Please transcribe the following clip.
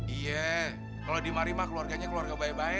iya kalau di mari mah keluarganya keluarga baik baik